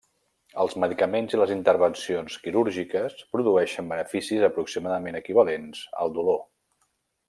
Els medicaments i les intervencions quirúrgiques produeixen beneficis aproximadament equivalents al dolor.